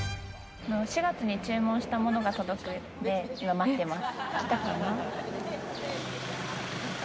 ４月に注文したものが届くんで待ってます。